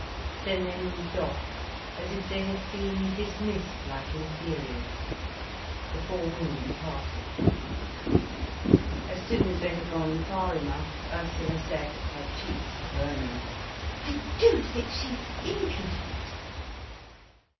Then they moved off, as if they had been dismissed like inferiors. The four women parted. As soon as they had gone far enough, Ursula said, her cheeks burning, "I do think she's impudent."